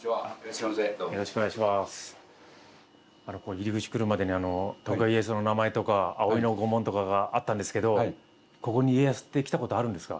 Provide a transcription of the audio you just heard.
入り口来るまでに徳川家康の名前とか葵の御紋とかがあったんですけどここに家康って来たことあるんですか？